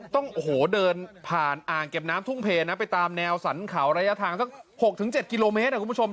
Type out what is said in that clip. ต้องโอ้โหเดินผ่านอ่างเก็บน้ำทุ่งเพลนะไปตามแนวสรรเขาระยะทางสัก๖๗กิโลเมตรคุณผู้ชม